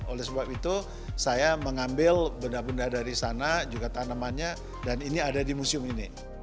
oleh sebab itu saya mengambil benda benda dari sana juga tanamannya dan ini ada di museum ini